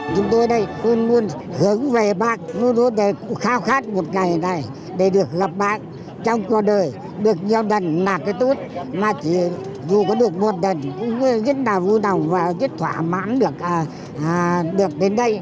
chúng tôi đây luôn luôn hướng về bác luôn luôn kháu khát một ngày này để được gặp bác trong cuộc đời được nhau đần là cái tốt mà chỉ dù có được một đần cũng rất là vui đồng và rất thoả mãn được